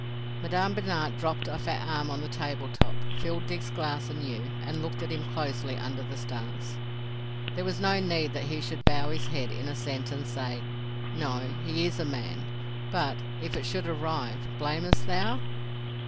Madame Binat dropped a fat arm on the table top, filled Dick's glass anew, and looked at him closely under the stars. There was no need that he should bow his head in assent and say—"No. He is a man, but—if it should arrive... blamest thou?"